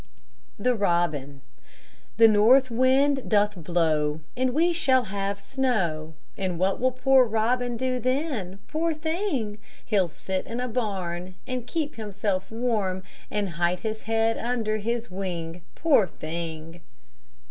THE ROBIN The north wind doth blow, And we shall have snow, And what will poor robin do then, Poor thing? He'll sit in a barn, And keep himself warm, And hide his head under his wing, Poor thing!